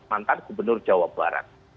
mantan gubernur jawa barat